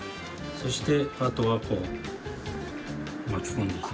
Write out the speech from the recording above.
そしてあとはこう巻き込んでいきます。